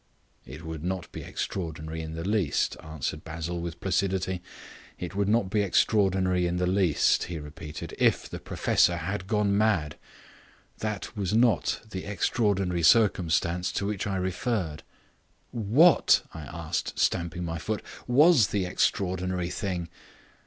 "It would not be extraordinary in the least," answered Basil, with placidity. "It would not be extraordinary in the least," he repeated, "if the professor had gone mad. That was not the extraordinary circumstance to which I referred." "What," I asked, stamping my foot, "was the extraordinary thing?"